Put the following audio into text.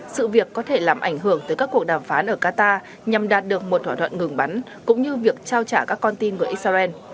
sự việc có thể làm ảnh hưởng tới các cuộc đàm phán ở qatar nhằm đạt được một thỏa thuận ngừng bắn cũng như việc trao trả các con tin người israel